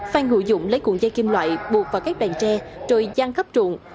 phan hữu dũng lấy cuộn dây kim loại buộc vào các bàn tre rồi gian khắp trụng